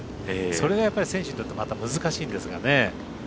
それがやっぱり選手にとってまた難しいんですがね。